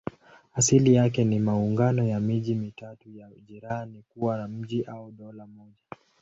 Asili yake ni maungano ya miji mitatu ya jirani kuwa mji au dola moja.